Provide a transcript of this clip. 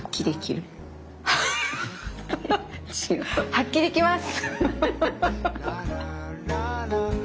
発揮できます！